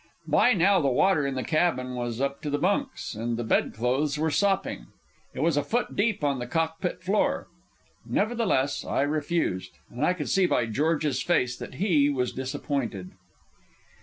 By now the water in the cabin was up to the bunks, and the bed clothes were sopping. It was a foot deep on the cockpit floor. Nevertheless I refused, and I could see by George's face that he was disappointed.